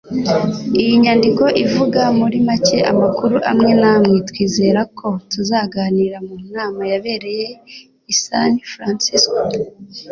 Iyi nyandiko ivuga muri make amakuru amwe namwe twizera ko tuzaganira mu nama yabereye i San Francisco